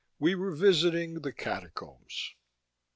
We were visiting the Catacombs.